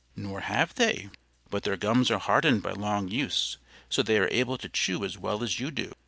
"Nor have they; but their gums are hardened by long use, so they are able to chew as well as you do.